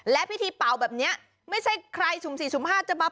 และพิธีเป่าแบบนี้ไม่ใช่ใครสุ่มสี่สุ่มห้าจะมา